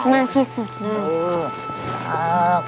หนูรักมากที่สุด